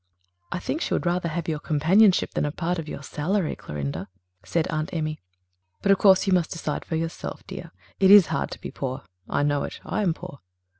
"I think she would rather have your companionship than a part of your salary, Clorinda," said Aunt Emmy. "But of course you must decide for yourself, dear. It is hard to be poor. I know it. I am poor."